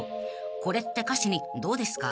［これって歌詞にどうですか？］